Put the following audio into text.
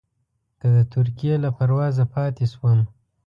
که د ترکیې له پروازه پاتې شوم.